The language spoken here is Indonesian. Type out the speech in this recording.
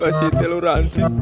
kasih teluran sih pak